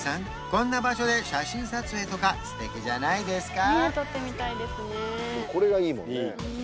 こんな場所で写真撮影とか素敵じゃないですか？